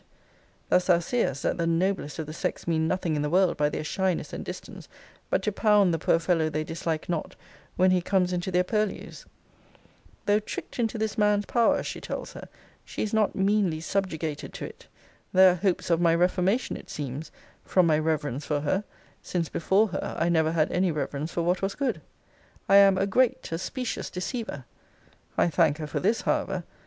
Thus thou seest, that the noblest of the sex mean nothing in the world by their shyness and distance, but to pound the poor fellow they dislike not, when he comes into their purlieus. Though 'tricked into this man's power,' she tells her, she is 'not meanly subjugated to it.' There are hopes of my reformation, it seems, 'from my reverence for her; since before her I never had any reverence for what was good!' I am 'a great, a specious deceiver.' I thank her for this, however.